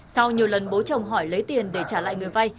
sau nhiều lần bố chồng hỏi lấy tiền để trả lại người vay